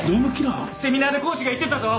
セミナーで講師が言ってたぞ。